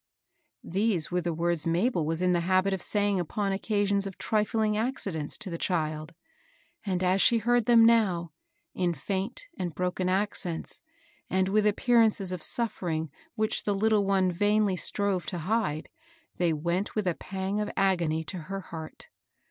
These were the words Mabel was in the habit of saying upon occasions of trifling accidents to 76 MABEL ROSS. the child; and as she heard them now, in faint and broken accents, and with appearances of sof fering which the little one vainly strove to hide, they went with a pang of agony to her heart.